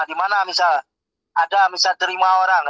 di mana misal ada misal terima orang